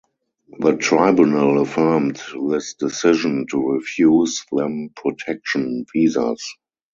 The Tribunal affirmed this decision to refuse them protection visas.